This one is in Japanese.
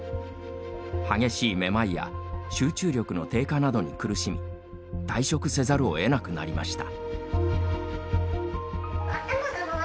激しいめまいや集中力の低下などに苦しみ退職せざるをえなくなりました。